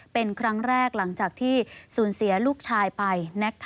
เป็นครั้งแรกหลังจากที่สูญเสียลูกชายไป